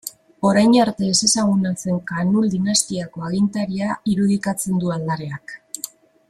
Orain arte ezezaguna zen Kaanul dinastiako agintaria irudikatzen du aldareak.